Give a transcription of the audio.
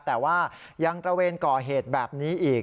แต่ว่ายังตระเวนก่อเหตุแบบนี้อีก